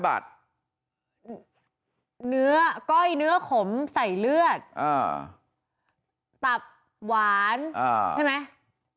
เนื้อก้อยเนื้อขมใส่เลือดตับหวานใช่ไหม